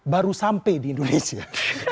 baru sampai di indonesia